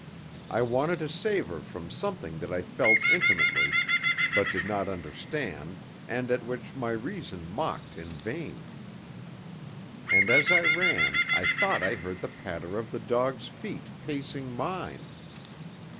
I wanted to save her from something that I felt intimately, but did not understand, and at which my reason mocked in vain. And as I ran I thought I heard the patter of the dog's feet, pacing mine.